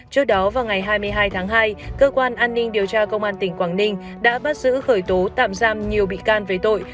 trước đó vào ngày hai mươi hai tháng hai cơ quan an ninh điều tra công an tỉnh quảng ninh đã bắt giữ khởi tố tạm giam nhiều bị can về tội